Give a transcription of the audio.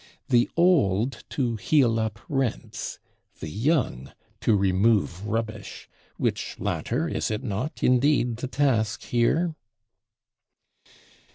The old to heal up rents, the young to remove rubbish: which latter is it not, indeed, the task here?